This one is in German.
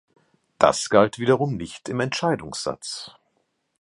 Das galt wiederum nicht im Entscheidungssatz.